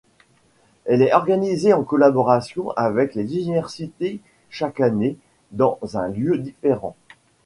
Elle est organisée en collaboration avec les universités, chaque année dans un lieu différent.